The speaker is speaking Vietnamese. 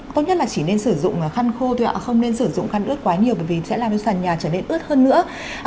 tốt nhất là chỉ nên sử dụng khăn khô thôi ạ không nên sử dụng khăn ướt quá nhiều bởi vì sẽ làm cho sàn nhà trở nên ướt hơn nữa